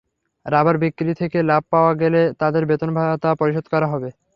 Rubber বিক্রি থেকে লাভ পাওয়া গেলে তাঁদের বেতন-ভাতা পরিশোধ করা হবে।